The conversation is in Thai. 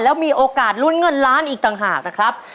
แล้วมีโอกาสลุ้นเงินล้านอีกต่างหากนะครับ